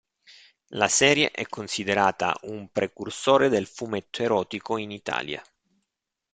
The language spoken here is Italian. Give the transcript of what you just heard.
La serie è considerata un precursore del fumetto erotico in Italia.